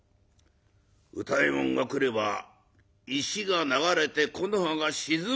歌右衛門が来れば石が流れて木の葉が沈むわ！